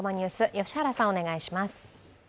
良原さん、お願いします。